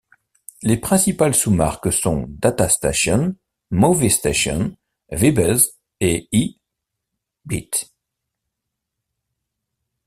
Les principales sous-marques sont DataStation, MovieStation, vibez et i. Beat.